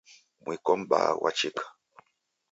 Mwiko mbaha ghwachika.